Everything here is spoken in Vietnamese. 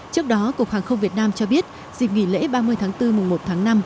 trước đó cục hàng không việt nam cho biết dịp nghỉ lễ ba mươi tháng bốn mùng một tháng năm